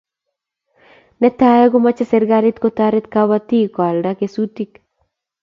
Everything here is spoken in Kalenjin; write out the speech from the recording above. Netai ko mache serikalit ko taret kabatik ko alda kesutik